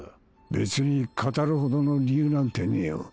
別に語るほどの理由なんてねえよ。